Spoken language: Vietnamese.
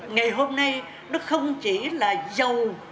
ngày hôm nay nó không chỉ là dầu